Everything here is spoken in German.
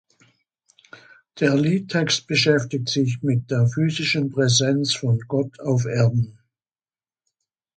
Der Liedtext beschäftigt sich mit der physischen Präsenz von Gott auf Erden.